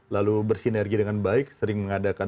lalu bersinergi dengan baik sering mengadakan